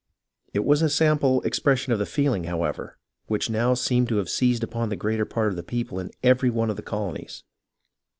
It was a sample expression of the feeling, however, which now seemed to have seized upon the greater part of the people in every one of the colonies.